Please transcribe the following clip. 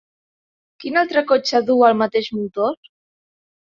Quin altre cotxe duu el mateix motor?